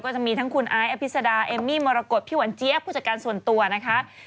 จะมีทั้งคุณไอซ์อภิษดาเอมมี่มรกฏพี่หวันเจี๊ยบผู้จัดการส่วนตัวนะคะ